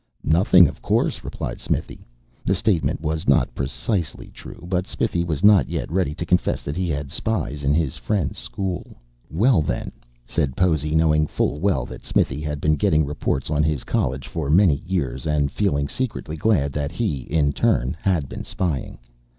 "Nothing, of course," replied Smithy. The statement was not precisely true, but Smithy was not yet ready to confess that he had spies in his friend's school. "Well, then," said Possy, knowing full well that Smithy had been getting reports on his college for many years, and feeling secretly glad that he, in turn, had been spying.